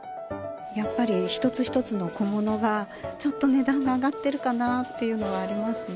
やっぱり一つ一つの小物が、ちょっと値段が上がってるかなっていうのはありますね。